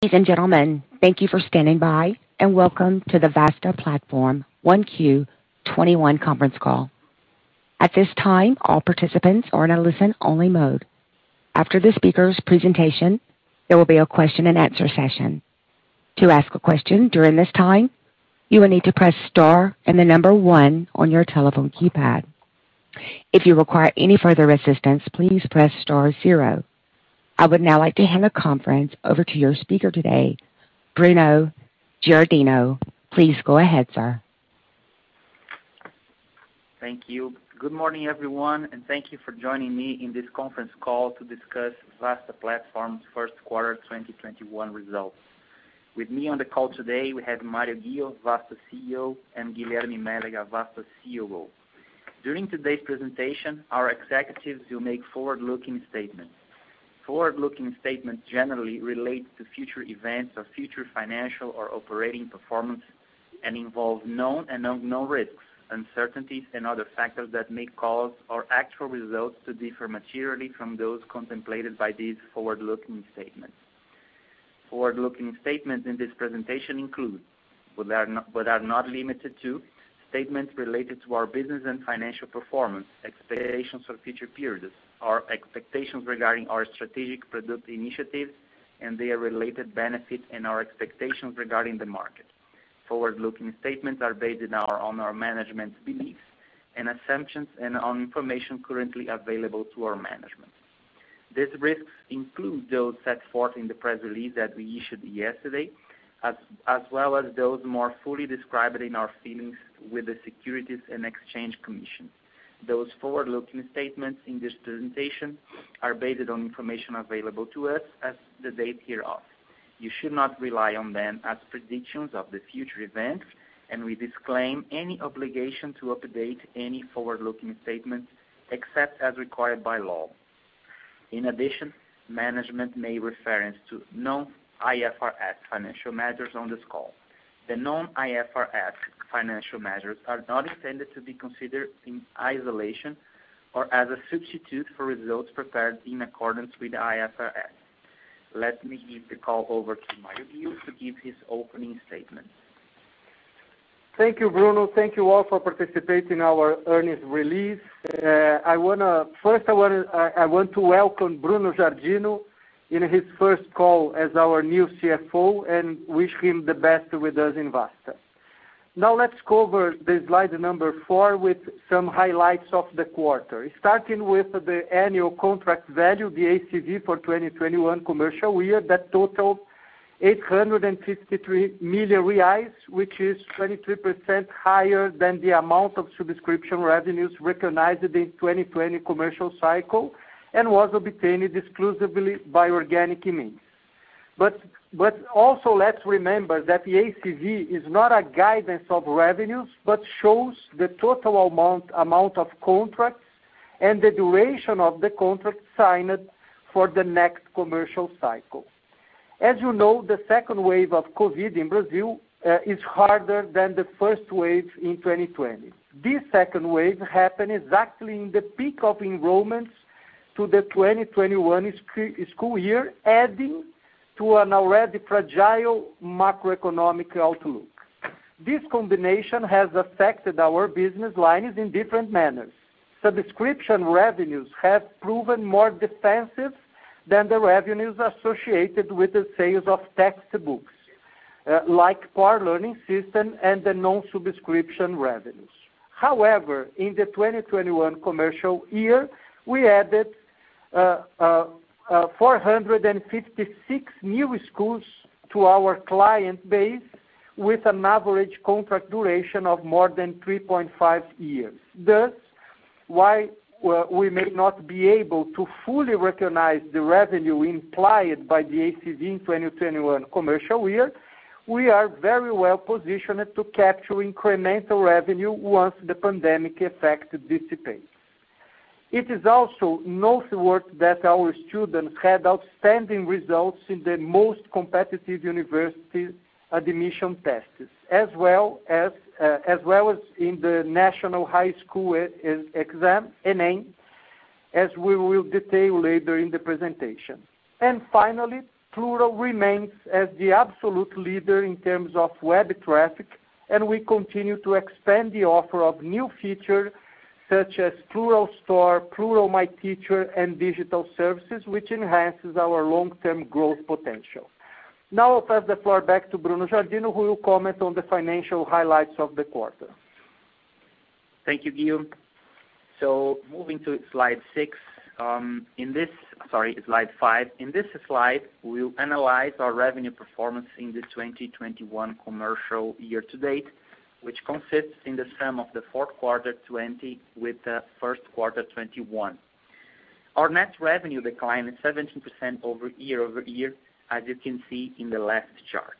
Ladies and gentlemen, thank you for standing by and welcome to the Vasta Platform 1Q 2021 conference call. I would now like to hand the conference over to your speaker today, Bruno Giardino. Please go ahead, sir. Thank you. Good morning, everyone, and thank you for joining me in this conference call to discuss Vasta Platform's first quarter 2021 results. With me on the call today, we have Mário Ghio, Vasta CEO, and Guilherme Mélega, Vasta COO. During today's presentation, our executives will make forward-looking statements. Forward-looking statements generally relate to future events or future financial or operating performance and involve known and unknown risks, uncertainties, and other factors that may cause our actual results to differ materially from those contemplated by these forward-looking statements. Forward-looking statements in this presentation include, but are not limited to, statements related to our business and financial performance, expectations for future periods, our expectations regarding our strategic product initiatives and their related benefits, and our expectations regarding the market. Forward-looking statements are based on our management's beliefs and assumptions and on information currently available to our management. These risks include those set forth in the press release that we issued yesterday, as well as those more fully described in our filings with the Securities and Exchange Commission. Those forward-looking statements in this presentation are based on information available to us as the date hereof. You should not rely on them as predictions of the future events, and we disclaim any obligation to update any forward-looking statement except as required by law. In addition, management may reference to non-IFRS financial measures on this call. The non-IFRS financial measures are not intended to be considered in isolation or as a substitute for results prepared in accordance with IFRS. Let me give the call over to Mário to give his opening statement. Thank you, Bruno. Thank you all for participating in our earnings release. First, I want to welcome Bruno Giardino in his first call as our new CFO and wish him the best with us in Vasta. Now let's cover the slide number four with some highlights of the quarter. Starting with the annual contract value, the ACV for 2021 commercial year that totaled 863 million reais, which is 23% higher than the amount of subscription revenues recognized in 2020 commercial cycle and was obtained exclusively by organic means. Also, let's remember that the ACV is not a guidance of revenues but shows the total amount of contracts and the duration of the contract signed for the next commercial cycle. As you know, the second wave of COVID in Brazil is harder than the first wave in 2020. This second wave happened exactly in the peak of enrollments to the 2021 school year, adding to an already fragile macroeconomic outlook. This combination has affected our business lines in different manners. Subscription revenues have proven more defensive than the revenues associated with the sales of textbooks, like PAR learning system and the non-subscription revenues. However, in the 2021 commercial year, we added 456 new schools to our client base with an average contract duration of more than 3.5 years. Thus, while we may not be able to fully recognize the revenue implied by the ACV 2021 commercial year, we are very well positioned to capture incremental revenue once the pandemic effect dissipates. It is also noteworthy that our students had outstanding results in the most competitive university admission tests, as well as in the National High School Exam, ENEM, as we will detail later in the presentation. Finally, Plurall remains as the absolute leader in terms of web traffic, and we continue to expand the offer of new features such as Plurall Store, Plurall MyTeacher, and digital services, which enhances our long-term growth potential. Now I'll pass the floor back to Bruno Giardino, who will comment on the financial highlights of the quarter. Thank you, Ghio. Moving to slide five. In this slide, we will analyze our revenue performance in the 2021 commercial year-to-date, which consists in the sum of the fourth quarter 2020 with the first quarter 2021. Our net revenue declined 17% year-over-year, as you can see in the left chart.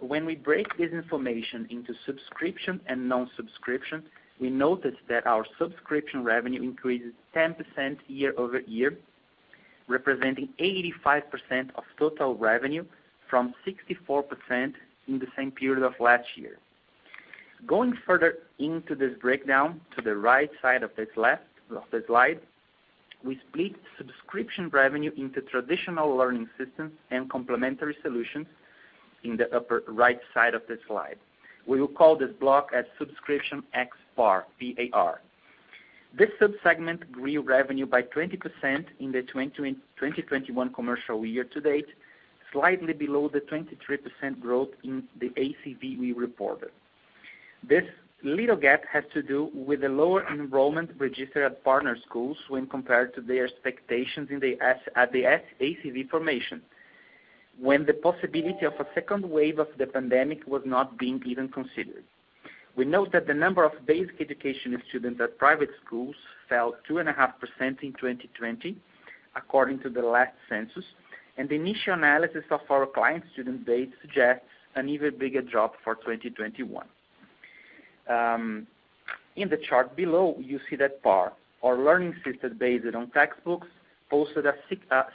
When we break this information into subscription and non-subscription, we notice that our subscription revenue increased 10% year-over-year, representing 85% of total revenue from 64% in the same period of last year. Going further into this breakdown to the right side of this slide, we split subscription revenue into traditional learning systems and complementary solutions in the upper right side of the slide. We will call this block as subscription ex PAR, P-A-R. This sub-segment grew revenue by 20% in the 2021 commercial year-to-date, slightly below the 23% growth in the ACV we reported. This little gap has to do with the lower enrollment registered at partner schools when compared to their expectations at the ACV formation, when the possibility of a second wave of the pandemic was not being even considered. We note that the number of basic education students at private schools fell 2.5% in 2020, according to the last census, and the initial analysis of our client student base suggests an even bigger drop for 2021. In the chart below, you see that PAR, our learning system based on textbooks, posted a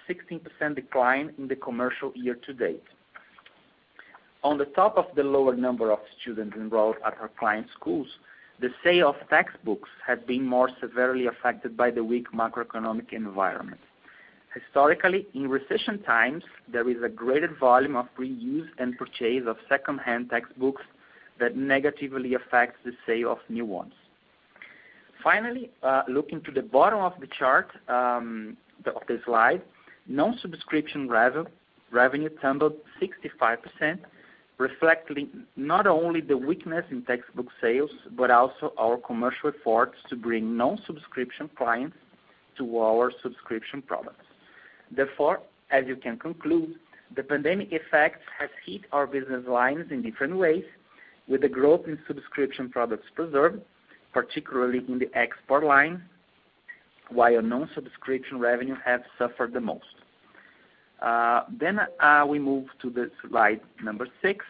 16% decline in the commercial year-to-date. On the top of the lower number of students enrolled at our client schools, the sale of textbooks had been more severely affected by the weak macroeconomic environment. Historically, in recession times, there is a greater volume of reused and purchase of second-hand textbooks that negatively affects the sale of new ones. Finally, looking to the bottom of the chart, of the slide, non-subscription revenue tumbled 65%, reflecting not only the weakness in textbook sales, but also our commercial efforts to bring non-subscription clients to our subscription products. As you can conclude, the pandemic effect has hit our business lines in different ways, with the growth in subscription products preserved, particularly in the ex PAR line, while our non-subscription revenue have suffered the most. We move to the slide six,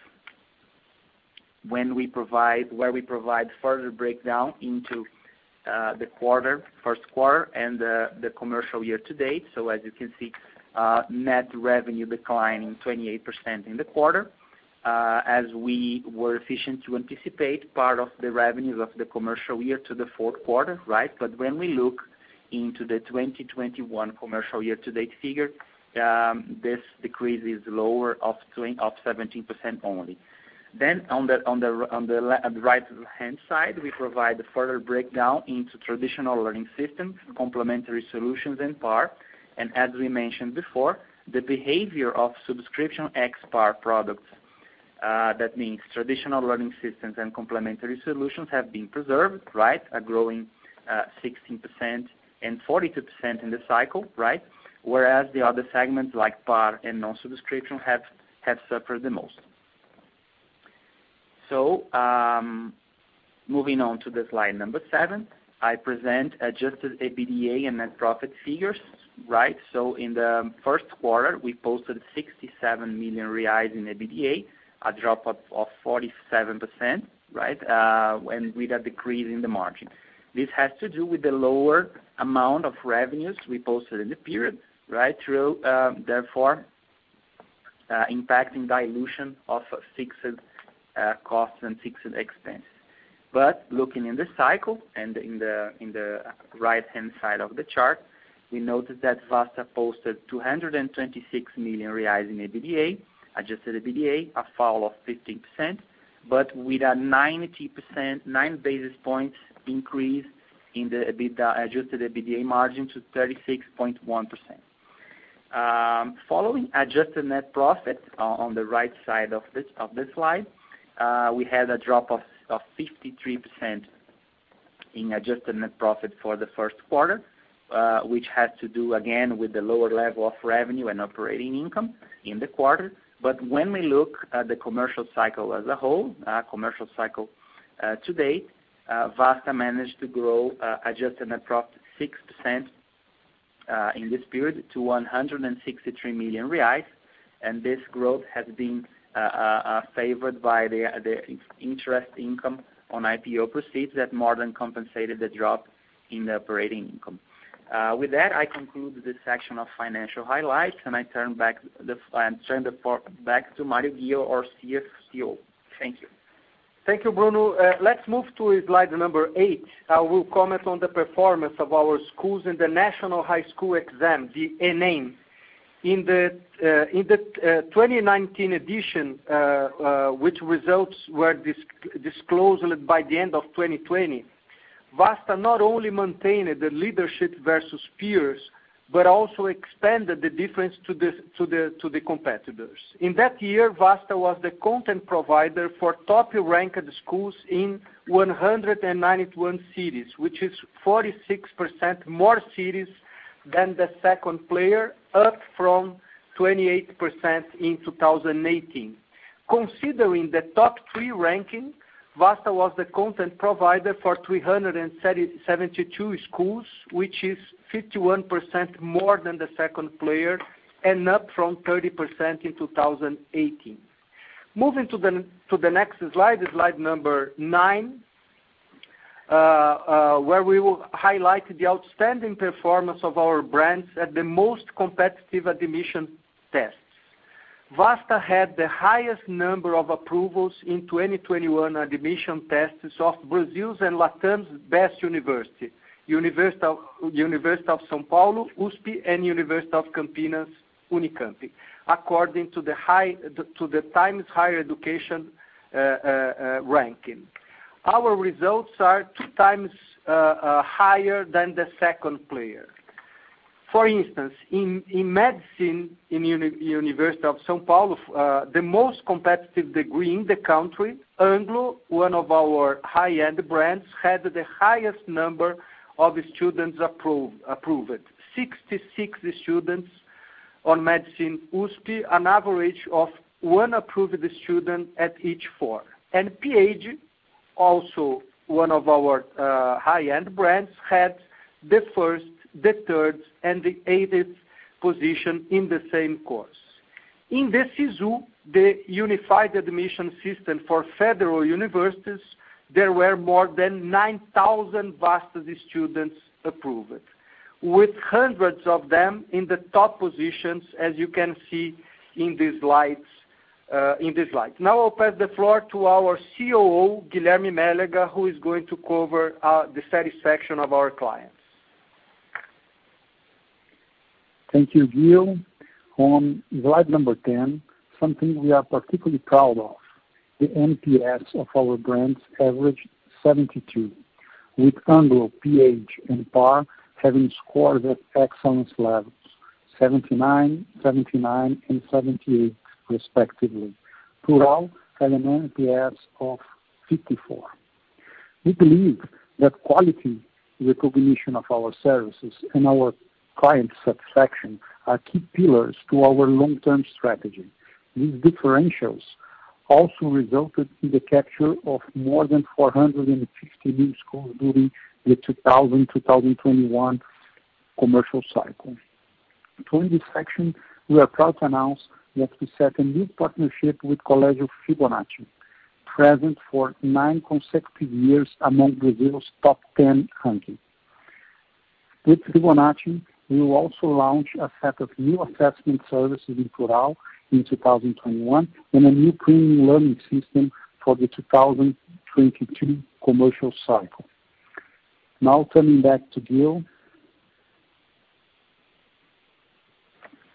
where we provide further breakdown into the first quarter and the commercial year-to-date. As you can see, net revenue declining 28% in the quarter. We were efficient to anticipate part of the revenues of the commercial year to the fourth quarter, right? When we look into the 2021 commercial year-to-date figure, this decrease is lower of 17% only. On the right-hand side, we provide a further breakdown into traditional learning systems, complementary solutions, and PAR. As we mentioned before, the behavior of subscription ex PAR products, that means traditional learning systems and complementary solutions, have been preserved, right, are growing 16% and 42% in the cycle. Whereas the other segments like PAR and non-subscription have suffered the most. Moving on to the slide number seven, I present adjusted EBITDA and net profit figures, right. In the first quarter, we posted 67 million reais in EBITDA, a drop of 47%, right, and with a decrease in the margin. This has to do with the lower amount of revenues we posted in the period, right, therefore impacting dilution of fixed costs and fixed expense. Looking in the cycle and in the right-hand side of the chart, we noticed that Vasta posted 226 million reais in adjusted EBITDA, a fall of 15%, but with a 90%, nine basis points increase in the adjusted EBITDA margin to 36.1%. Following adjusted net profit on the right side of this slide, we had a drop of 53% in adjusted net profit for the first quarter, which had to do again with the lower level of revenue and operating income in the quarter. When we look at the commercial cycle as a whole, commercial cycle to date, Vasta managed to grow adjusted net profit 6% in this period to 163 million reais. This growth has been favored by the interest income on IPO proceeds that more than compensated the drop in the operating income. With that, I conclude this section of financial highlights, and I turn the floor back to Mário Ghio, our CEO. Thank you. Thank you, Bruno. Let's move to slide number eight. I will comment on the performance of our schools in the National High School Exam, the ENEM. In the 2019 edition, which results were disclosed by the end of 2020, Vasta not only maintained the leadership versus peers, but also expanded the difference to the competitors. In that year, Vasta was the content provider for top-ranked schools in 191 cities, which is 46% more cities than the second player, up from 28% in 2018. Considering the top three ranking, Vasta was the content provider for 372 schools, which is 51% more than the second player and up from 30% in 2018. Moving to the next slide number nine, where we will highlight the outstanding performance of our brands at the most competitive admission tests. Vasta had the highest number of approvals in 2021 admission tests of Brazil's and LATAM's best university, University of São Paulo, USP, and University of Campinas, Unicamp, according to the Times Higher Education ranking. Our results are two times higher than the second player. For instance, in medicine in University of São Paulo, the most competitive degree in the country, Anglo, one of our high-end brands, had the highest number of students approved, 66 students on medicine USP, an average of one approved student at each four. pH, also one of our high-end brands, had the first, the third, and the eighth position in the same course. In the Sisu, the unified admission system for federal universities, there were more than 9,000 Vasta students approved, with hundreds of them in the top positions, as you can see in this slide. Now I'll pass the floor to our COO, Guilherme Mélega, who is going to cover the satisfaction of our clients. Thank you, Ghio. On slide number 10, something we are particularly proud of, the NPS of our brands averaged 72, with Anglo, pH, and PAR having scored at excellence levels, 79, and 78 respectively. Plurall had an NPS of 54. We believe that quality recognition of our services and our client satisfaction are key pillars to our long-term strategy. These differentials also resulted in the capture of more than 450 new schools during the 2020, 2021 commercial cycle. To end this section, we are proud to announce that we set a new partnership with Colégio Fibonacci, present for nine consecutive years among Brazil's top 10 ranking. With Fibonacci, we will also launch a set of new assessment services in Plurall in 2021 and a new premium learning system for the 2022 commercial cycle. Coming back to Ghio.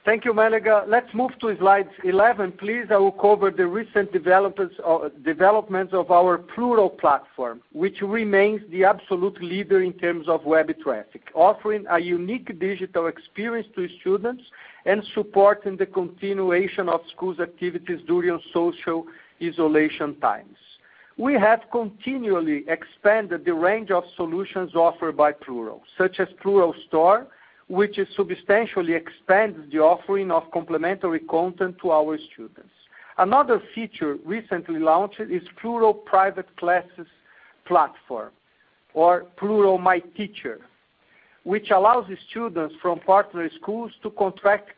Thank you, Mélega. Let's move to slide 11, please. I will cover the recent developments of our Plurall platform, which remains the absolute leader in terms of web traffic, offering a unique digital experience to students and supporting the continuation of schools' activities during social isolation times. We have continually expanded the range of solutions offered by Plurall. Such as Plurall Store, which substantially expands the offering of complementary content to our students. Another feature recently launched is Plurall Private Classes platform or Plurall MyTeacher, which allows the students from partner schools to contract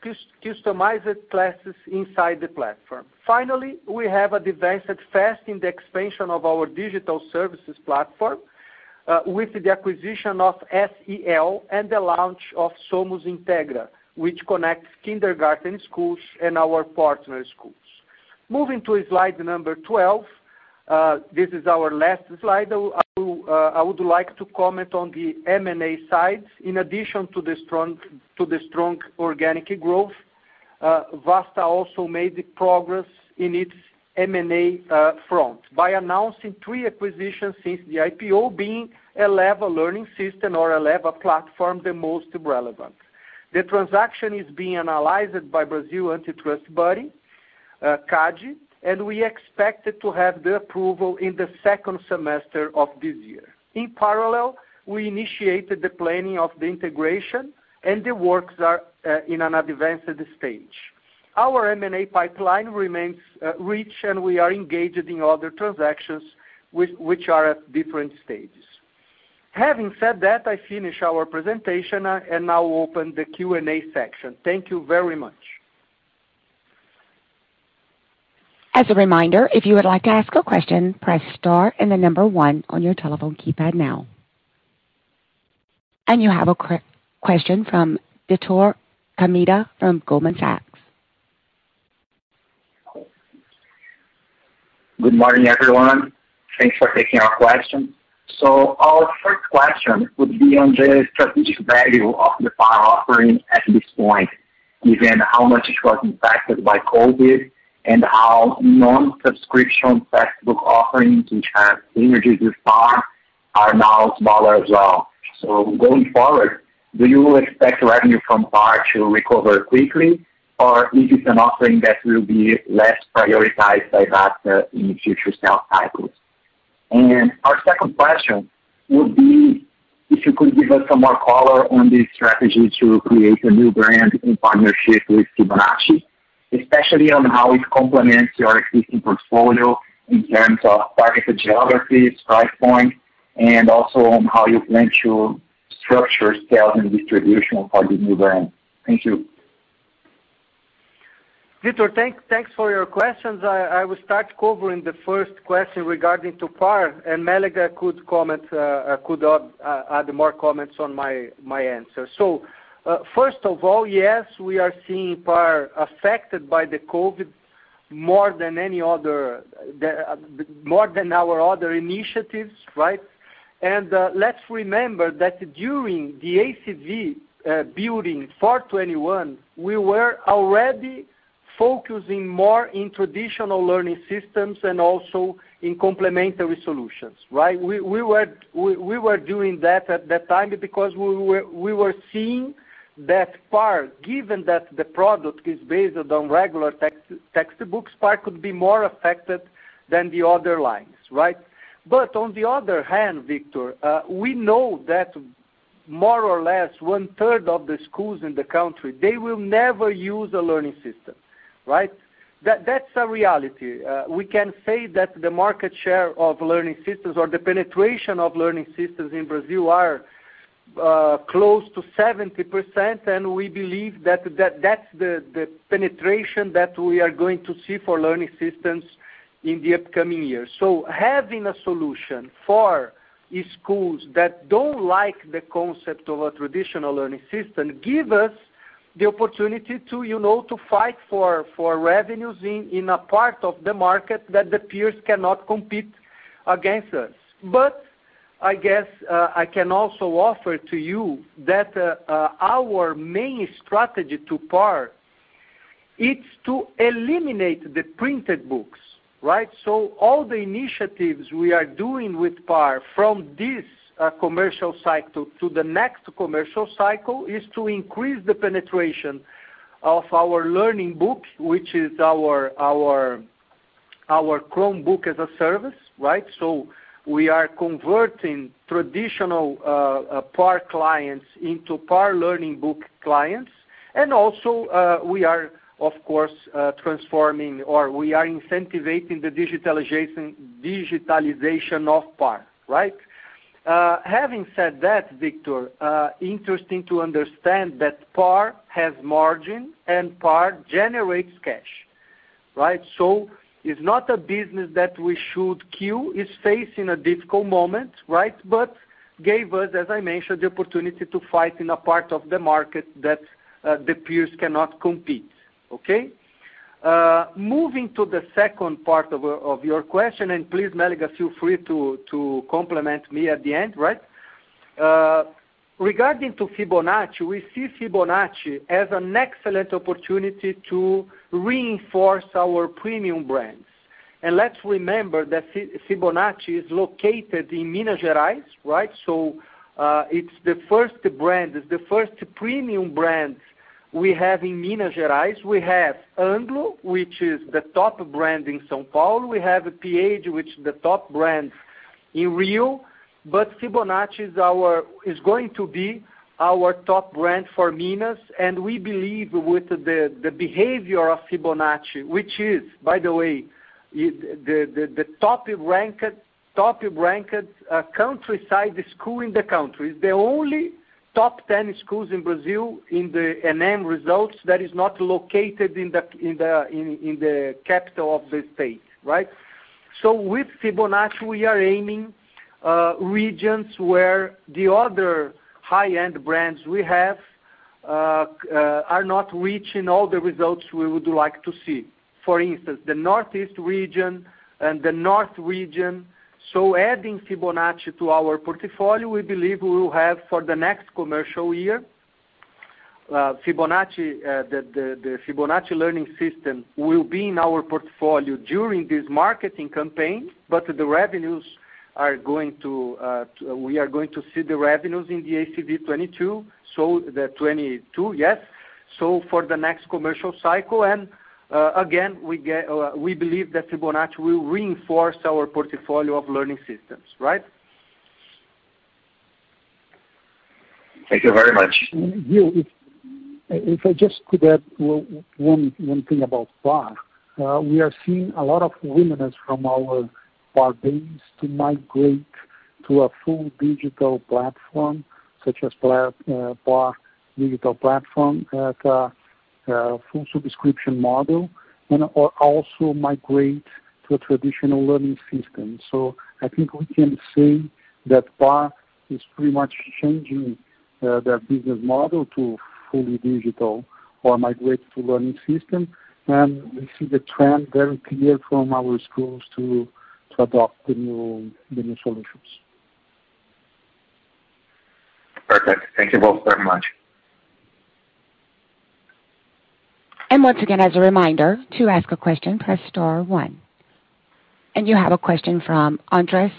customized classes inside the platform. We have advanced fast in the expansion of our digital services platform, with the acquisition of SEL and the launch of Somos Integra, which connects kindergarten schools and our partner schools. Moving to slide number 12. This is our last slide. I would like to comment on the M&A side. In addition to the strong organic growth, Vasta also made progress in its M&A front by announcing three acquisitions since the IPO, being Eleva Learning system or Eleva platform, the most relevant. The transaction is being analyzed by Brazil antitrust body, CADE, and we expect it to have the approval in the second semester of this year. In parallel, we initiated the planning of the integration, and the works are in an advanced stage. Our M&A pipeline remains rich, and we are engaged in other transactions, which are at different stages. Having said that, I finish our presentation and now open the Q&A section. Thank you very much. As a reminder, if you would like to ask a question, press star and the number one on your telephone keypad now. You have a question from Vitor Tomita from Goldman Sachs. Good morning, everyone. Thanks for taking our question. Our first question would be on the strategic value of the PAR offering at this point, given how much it was impacted by COVID and how non-subscription textbook offerings, which have synergies with PAR, are now smaller as well. Going forward, do you expect revenue from PAR to recover quickly, or is this an offering that will be less prioritized by Vasta in future sales cycles? Our second question would be if you could give us some more color on the strategy to create a new brand in partnership with Fibonacci, especially on how it complements your existing portfolio in terms of targeted geographies, price point, and also on how you plan to structure sales and distribution for the new brand. Thank you. Vitor, thanks for your questions. I will start covering the first question regarding to PAR, and Mélega could add more comments on my answer. First of all, yes, we are seeing PAR affected by the COVID more than our other initiatives. Let's remember that during the ACV building for 2021, we were already focusing more on traditional learning systems and also on complementary solutions. We were doing that at that time because we were seeing that PAR, given that the product is based on regular textbooks, PAR could be more affected than the other lines. On the other hand, Vitor, we know that more or less 1/3 of the schools in the country, they will never use a learning system. That's a reality. We can say that the market share of learning systems or the penetration of learning systems in Brazil are close to 70%, and we believe that that's the penetration that we are going to see for learning systems in the upcoming year. Having a solution for schools that don't like the concept of a traditional learning system gives us the opportunity to fight for revenues in a part of the market that the peers cannot compete against us. I guess, I can also offer to you that our main strategy to PAR, it's to eliminate the printed books. All the initiatives we are doing with PAR from this commercial cycle to the next commercial cycle is to increase the penetration of our learning book, which is our Chromebook as a service. We are converting traditional PAR clients into PAR learning book clients, and also we are, of course, transforming, or we are incentivizing the digitalization of PAR. Having said that, Vitor, interesting to understand that PAR has margin, and PAR generates cash. It's not a business that we should kill. It's facing a difficult moment. Gave us, as I mentioned, the opportunity to fight in a part of the market that the peers cannot compete. Moving to the second part of your question, and please, Mélega, feel free to compliment me at the end. Regarding to Fibonacci, we see Fibonacci as an excellent opportunity to reinforce our premium brands. Let's remember that Fibonacci is located in Minas Gerais. It's the first premium brand we have in Minas Gerais. We have Anglo, which is the top brand in São Paulo. We have pH, which is the top brand in Rio. Fibonacci is going to be our top brand for Minas, and we believe with the behavior of Fibonacci, which is, by the way, the top-ranked countryside school in the country. It's the only top 10 schools in Brazil in the ENEM results that is not located in the capital of the state. With Fibonacci, we are aiming at regions where the other high-end brands we have are not reaching all the results we would like to see. For instance, the Northeast region and the North region. Adding Fibonacci to our portfolio, we believe we will have for the next commercial year, the Fibonacci learning system will be in our portfolio during this marketing campaign, but we are going to see the revenues in the ACV 2022. The 2022, yes. For the next commercial cycle, and again, we believe that Fibonacci will reinforce our portfolio of learning systems. Thank you very much. Ghio, if I just could add one thing about PAR. We are seeing a lot of willingness from our PAR base to migrate to a full digital platform, such as PAR digital platform at a full subscription model, and also migrate to a traditional learning system. I think we can say that PAR is pretty much changing their business model to fully digital or migrate to a learning system. We see the trend very clear from our schools to adopt the new solutions. Perfect. Thank you both very much. Once again, as a reminder, to ask a question, press star one. You have a question from Andres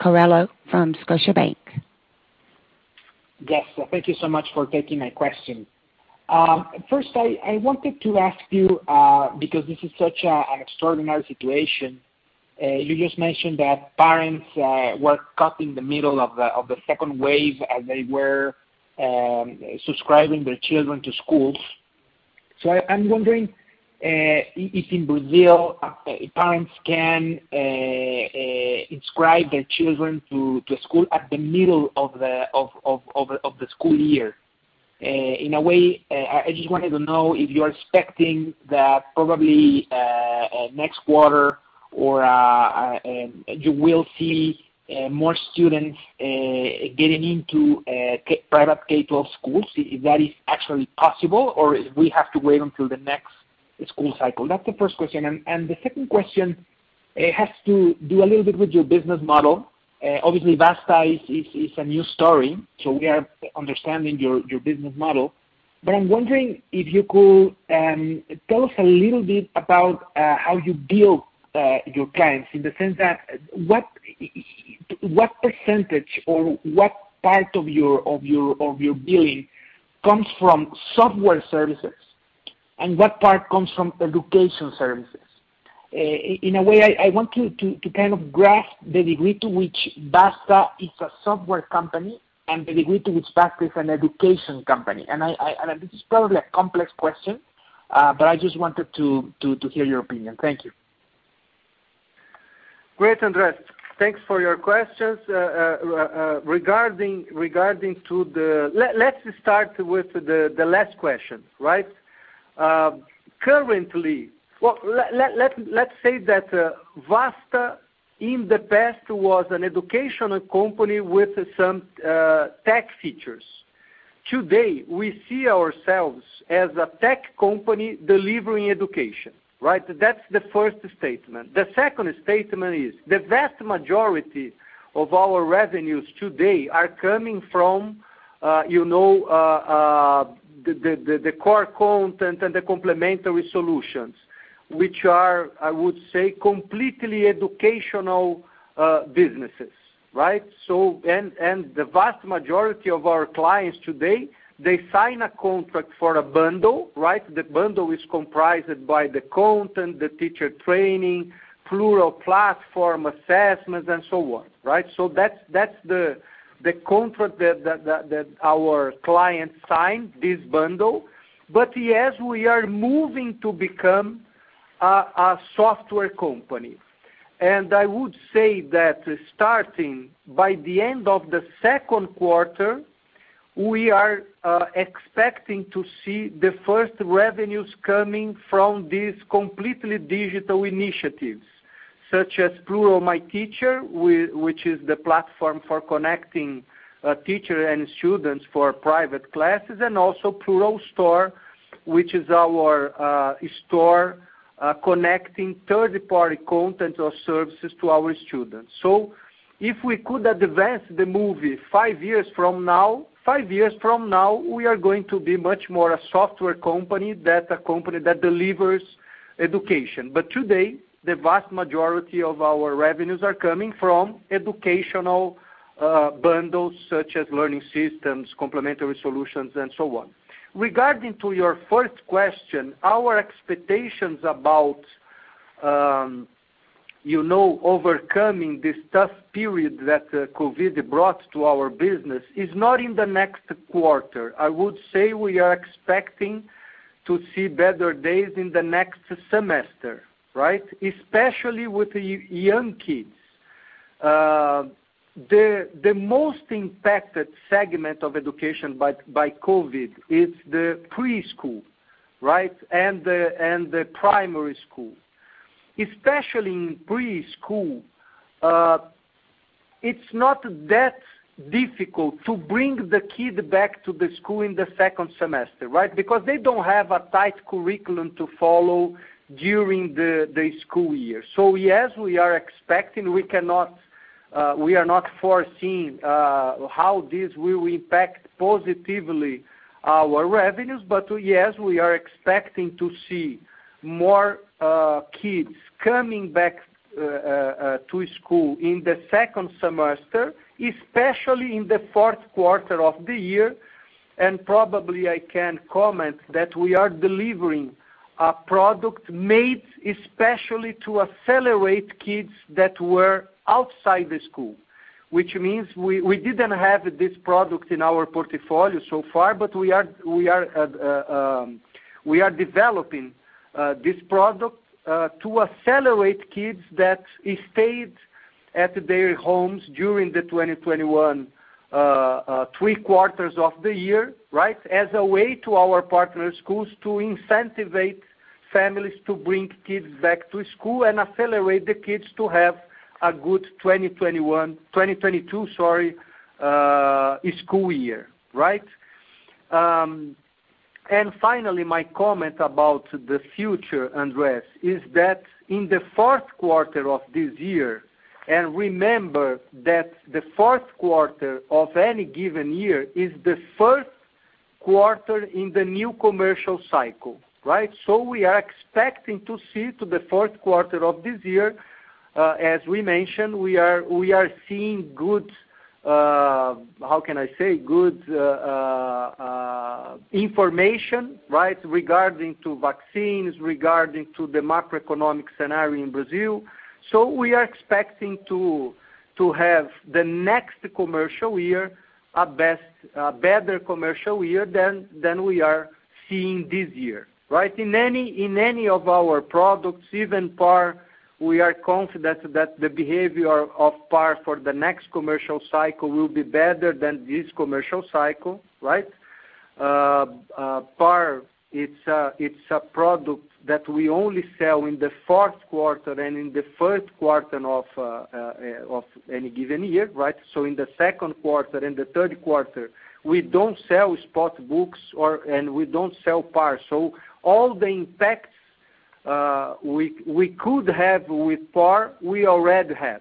Coello from Scotiabank. Yes. Thank you so much for taking my question. First, I wanted to ask you, because this is such an extraordinary situation. You just mentioned that parents were caught in the middle of the second wave as they were subscribing their children to schools. I'm wondering if in Brazil, parents can inscribe their children to school at the middle of the school year? In a way, I just wanted to know if you are expecting that probably next quarter you will see more students getting into private K-12 schools, if that is actually possible, or if we have to wait until the next school cycle. That's the first question. The second question has to do a little bit with your business model. Obviously, Vasta is a new story, so we are understanding your business model. I'm wondering if you could tell us a little bit about how you build your clients in the sense that what percentage or what part of your billing comes from software services, and what part comes from education services? In a way, I want to kind of grasp the degree to which Vasta Platform is a software company and the degree to which Vasta Platform is an education company. This is probably a complex question, but I just wanted to hear your opinion. Thank you. Great, Andres. Thanks for your questions. Let's start with the last question. Well, let's say that Vasta, in the past, was an educational company with some tech features. Today, we see ourselves as a tech company delivering education. That's the first statement. The second statement is, the vast majority of our revenues today are coming from the core content and the complementary solutions, which are, I would say, completely educational businesses. The vast majority of our clients today, they sign a contract for a bundle. The bundle is comprised by the content, the teacher training, Plurall platform, assessments, and so on. That's the contract that our clients sign, this bundle. Yes, we are moving to become a software company. I would say that starting by the end of the second quarter, we are expecting to see the first revenues coming from these completely digital initiatives, such as Plurall MyTeacher, which is the platform for connecting teacher and students for private classes, and also Plurall Store, which is our store connecting third-party content or services to our students. If we could advance the movie five years from now, we are going to be much more a software company than a company that delivers education. Today, the vast majority of our revenues are coming from educational bundles such as learning systems, complementary solutions, and so on. Regarding to your first question, our expectations about overcoming this tough period that COVID brought to our business is not in the next quarter. I would say we are expecting to see better days in the next semester. Especially with young kids. The most impacted segment of education by COVID is the preschool and the primary school. Especially in preschool, it's not that difficult to bring the kid back to the school in the second semester. They don't have a tight curriculum to follow during the school year. Yes, we are expecting, we are not foreseeing how this will impact positively our revenues. Yes, we are expecting to see more kids coming back to school in the second semester, especially in the fourth quarter of the year. Probably I can comment that we are delivering a product made especially to accelerate kids that were outside the school. Which means we didn't have this product in our portfolio so far, but we are developing this product to accelerate kids that stayed at their homes during the 2021 three quarters of the year. As a way to our partner schools to incentivize families to bring kids back to school and accelerate the kids to have a good 2021, 2022, sorry, school year. Finally, my comment about the future, Andres, is that in the fourth quarter of this year. Remember that the fourth quarter of any given year is the first quarter in the new commercial cycle. We are expecting to see to the fourth quarter of this year, as we mentioned, we are seeing good, how can I say? Good information regarding to vaccines, regarding to the macroeconomic scenario in Brazil. We are expecting to have the next commercial year a better commercial year than we are seeing this year. In any of our products. We are confident that the behavior of PAR for the next commercial cycle will be better than this commercial cycle. PAR, it's a product that we only sell in the fourth quarter and in the first quarter of any given year. In the second quarter and the third quarter, we don't sell spot books and we don't sell PAR. All the impacts we could have with PAR, we already had.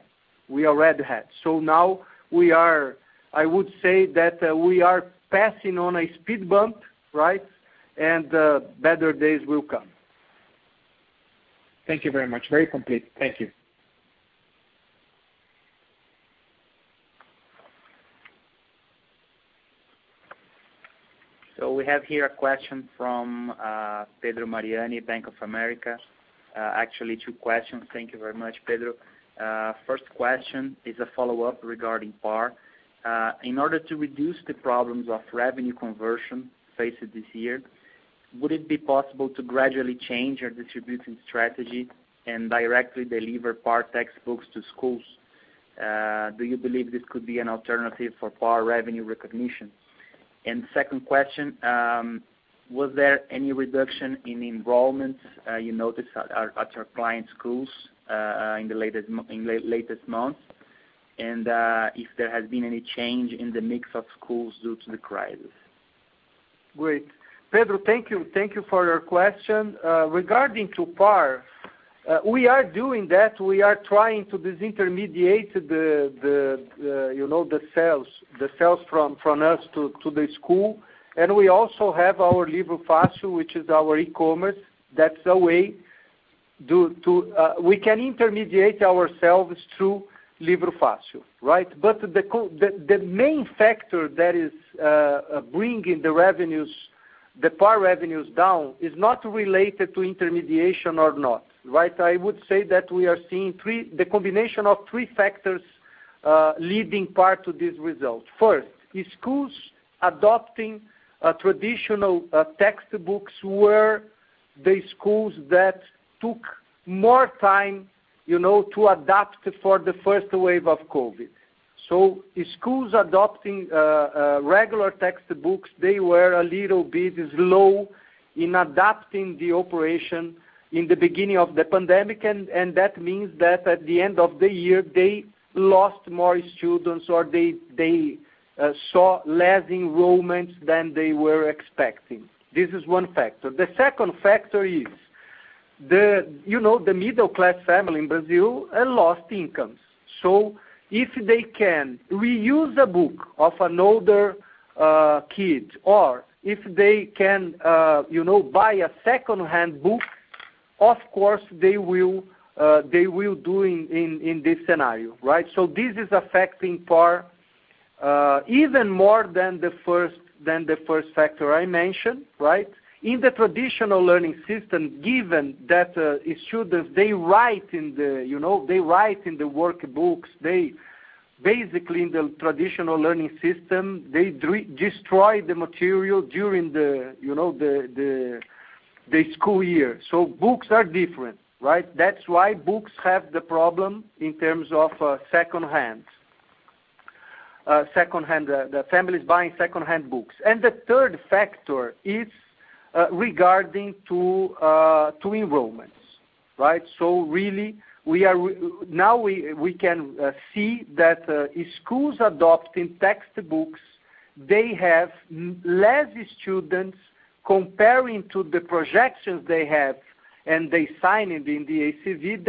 Now I would say that we are passing on a speed bump, and better days will come. Thank you very much. Very complete. Thank you. We have here a question from Pedro Mariani, Bank of America. Actually two questions. Thank you very much, Pedro. First question is a follow-up regarding PAR. In order to reduce the problems of revenue conversion faced this year, would it be possible to gradually change your distribution strategy and directly deliver PAR textbooks to schools? Do you believe this could be an alternative for PAR revenue recognition? Second question, was there any reduction in enrollments you noticed at your client schools in the latest months? If there has been any change in the mix of schools due to the crisis. Great. Pedro, thank you for your question. Regarding to PAR, we are doing that. We are trying to intermediate, you know, the sales from us to the school. We also have our Livro Fácil, which is our e-commerce. That's a way. We can intermediate ourselves through Livro Fácil. The main factor that is bringing the PAR revenues down is not related to intermediation or not. I would say that we are seeing the combination of three factors leading PAR to these results. First, the schools adopting traditional textbooks were the schools that took more time to adapt for the first wave of COVID. The schools adopting regular textbooks, they were a little bit slow in adapting the operation in the beginning of the pandemic, and that means that at the end of the year, they lost more students, or they saw less enrollments than they were expecting. This is one factor. The second factor is the middle-class family in Brazil lost incomes. If they can reuse a book of an older kid, or if they can buy a secondhand book, of course, they will do in this scenario. This is affecting PAR even more than the first factor I mentioned. In the traditional learning system, given that the students, they write in the workbooks, basically in the traditional learning system, they destroy the material during the school year. Books are different. That's why books have the problem in terms of secondhand, the families buying secondhand books. The third factor is regarding to enrollments. Really, now we can see that schools adopting textbooks, they have less students comparing to the projections they have, and they sign it in the ACV.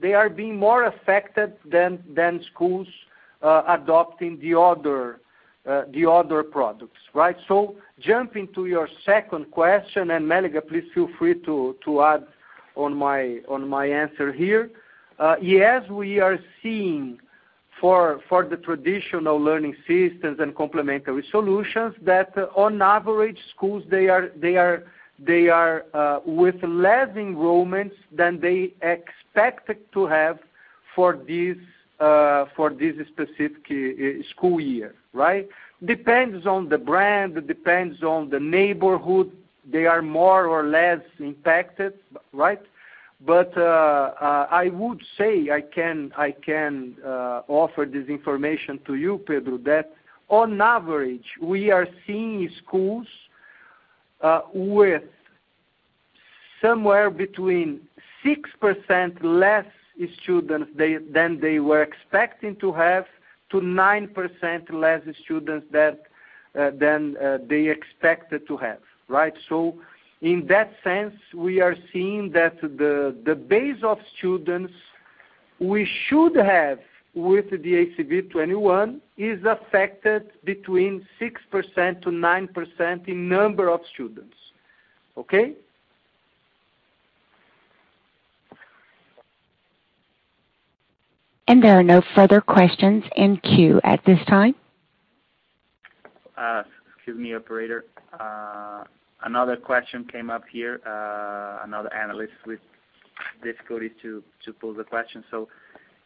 They are being more affected than schools adopting the other products. Jumping to your second question, and Mélega, please feel free to add on my answer here. Yes, we are seeing for the traditional learning systems and complementary solutions that on average, schools, they are with less enrollments than they expected to have for this specific school year. Depends on the brand, depends on the neighborhood. They are more or less impacted. I would say I can offer this information to you, Pedro, that on average, we are seeing schools with somewhere between 6% less students than they were expecting to have to 9% less students than they expected to have. In that sense, we are seeing that the base of students we should have with the ACV21 is affected between 6%-9% in number of students. Okay. There are no further questions in queue at this time. Excuse me, operator. Another question came up here. Another analyst with difficulties to pose the question.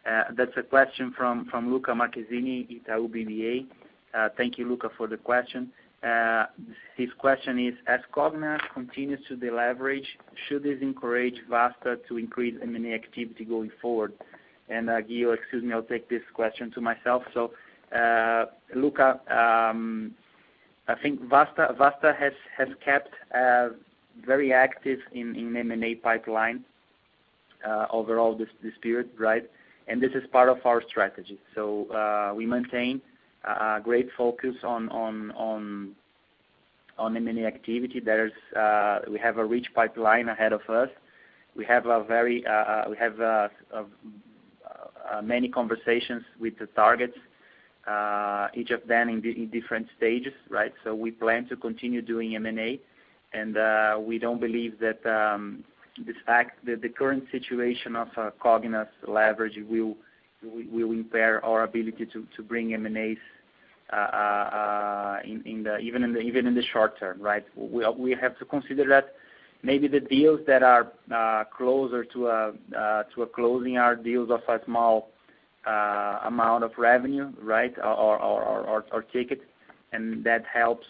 That's a question from Lucca Marquezini, Itaú BBA. Thank you, Lucca, for the question. His question is: "As Cogna continues to deleverage, should this encourage Vasta to increase M&A activity going forward?" Ghio, excuse me, I'll take this question to myself. Lucca, I think Vasta has kept very active in M&A pipeline overall this period, right? This is part of our strategy. We maintain a great focus on M&A activity. We have a rich pipeline ahead of us. We have many conversations with the targets, each of them in different stages, right? We plan to continue doing M&A, and we don't believe that the current situation of Cogna leverage will impair our ability to bring M&As even in the short-term, right? We have to consider that maybe the deals that are closer to a closing are deals of a small amount of revenue, right? Ticket, and that helps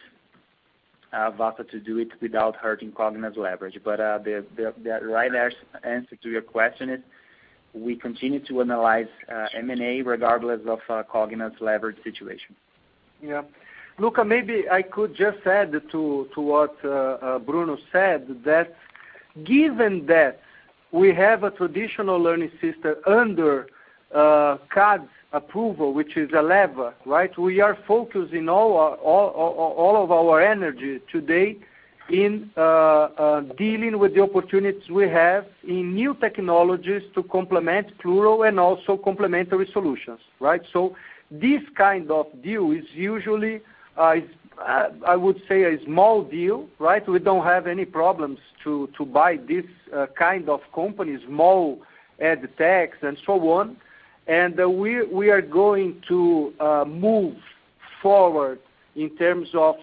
Vasta to do it without hurting Cogna leverage. The right answer to your question is, we continue to analyze M&A regardless of Cogna leverage situation. Yeah. Lucca, maybe I could just add to what Bruno said, that given that we have a traditional learning system under CADE approval, which is a lever, right? We are focusing all of our energy today in dealing with the opportunities we have in new technologies to complement Plurall and also complementary solutions, right? This kind of deal is usually, I would say, a small deal, right? We don't have any problems to buy this kind of company, small Edtech and so on. We are going to move forward in terms of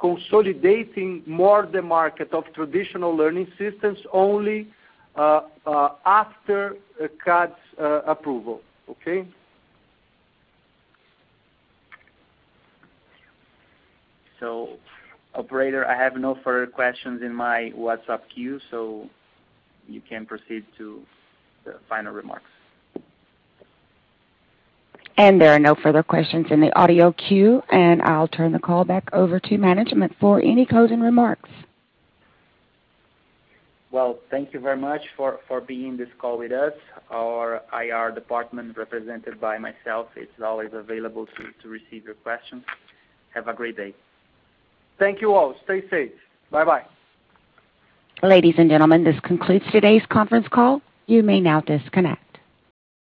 consolidating more the market of traditional learning systems only after CADE's approval. Okay? Operator, I have no further questions in my WhatsApp queue. You can proceed to the final remarks. There are no further questions in the audio queue, and I'll turn the call back over to management for any closing remarks. Well, thank you very much for being on this call with us. Our IR department, represented by myself, is always available to receive your questions. Have a great day. Thank you all. Stay safe. Bye bye. Ladies and gentlemen, this concludes today's conference call. You may now disconnect.